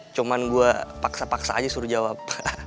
cuma gue paksa paksa aja suruh jawab